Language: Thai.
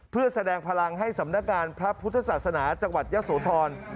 เพื่อแสดงพลังให้สำนักงานพระพุทธศาสนาจังหวัดยะโสธร